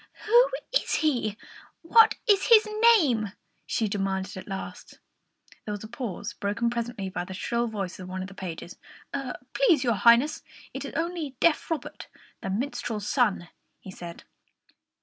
"Who is he? What is his name?" she demanded at last. There was a pause, broken presently by the shrill voice of one of the pages. "Please, your Highness, it is only deaf Robert, the minstrel's son," he said.